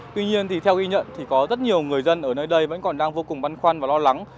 tuy nhiên thì theo ghi nhận thì có rất nhiều người dân ở nơi đây vẫn còn đang vô cùng băn khoăn và lo lắng